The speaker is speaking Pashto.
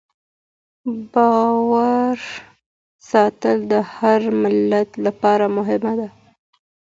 باور ساتنه د هر ملت لپاره مهمه ده.